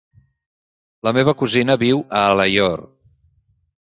La meva cosina viu a Alaior.